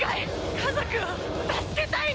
家族を助けたいの！